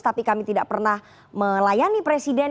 tapi kami tidak pernah melayani presiden